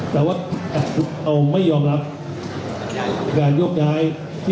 แต่ว่าเราไม่ยอมรับการโยกย้าย